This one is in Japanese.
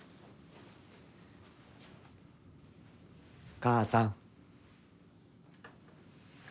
母さん。